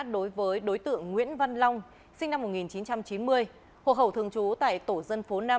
đối với đối tượng nguyễn văn long sinh năm một nghìn chín trăm chín mươi hồ hậu thường trú tại tổ dân phố năm